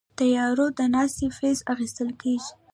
د طیارو د ناستې فیس اخیستل کیږي؟